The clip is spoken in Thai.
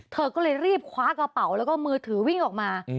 เธอก็เลยรีบคว้ากระเป๋าแล้วก็มือถือวิ่งออกมา